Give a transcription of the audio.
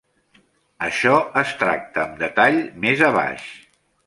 Això es tracta amb detall més abaix.